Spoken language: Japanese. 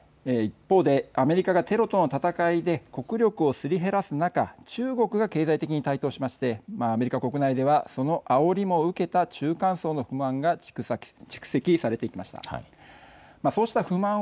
一方で、アメリカがテロとの戦いで国力をすり減らす中中国が経済的に台頭しましてアメリカ国内ではそのあおりを受けた中間層の不満が蓄積されてきました。